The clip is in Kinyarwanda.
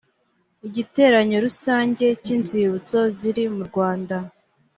igiteranyo rusange cy inzibutso ziri mu rwanda